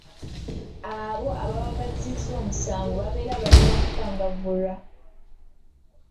Abo ababa bazzizza omusango babeera balina okukangavvulwa.